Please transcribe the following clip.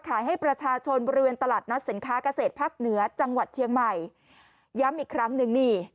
ให้ประชาชนบริเวณตลาดนัดสินค้าเกษตรภาคเหนือจังหวัดเชียงใหม่ย้ำอีกครั้งหนึ่งนี่